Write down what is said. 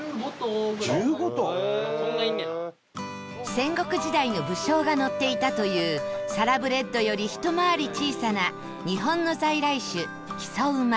戦国時代の武将が乗っていたというサラブレッドよりひと回り小さな日本の在来種木曽馬